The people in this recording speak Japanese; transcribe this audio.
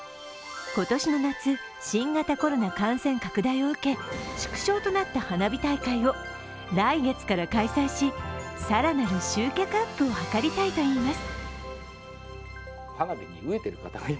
今年の夏、新型コロナ感染拡大を受け縮小となった花火大会を来月から開催し更なる集客アップを図りたいといいます。